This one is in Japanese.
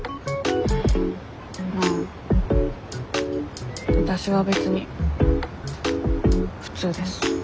まあわたしは別に普通です。